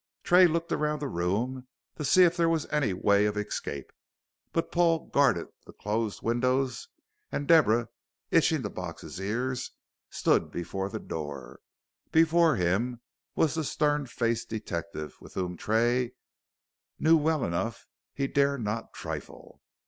Tray looked round the room to see if there was any way of escape. But Paul guarded the closed window and Deborah, itching to box his ears, stood before the door. Before him was the stern faced detective with whom Tray knew well enough he dare not trifle.